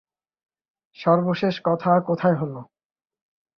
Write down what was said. পেটের ভেতর পাক দিয়ে উঠছে।